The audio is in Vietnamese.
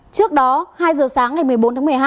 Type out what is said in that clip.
trước đó hai giờ sáng ngày một mươi bốn tháng một mươi hai